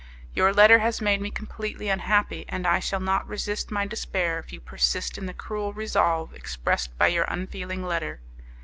Your letter has made me completely unhappy, and I shall not resist my despair if you persist in the cruel resolve expressed by your unfeeling letter.